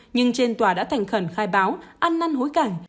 nhưng trên tòa đã thành khẩn khai báo ăn năn hối cảnh